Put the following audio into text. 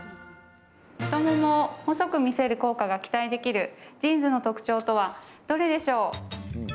太ももを細く見せる効果が期待できるジーンズの特徴とはどれでしょう？